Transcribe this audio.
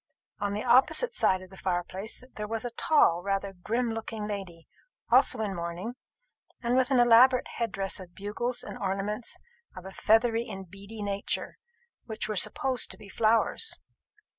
On the opposite side of the fire place there was a tall, rather grim looking lady, also in mourning, and with an elaborate headdress of bugles and ornaments of a feathery and beady nature, which were supposed to be flowers.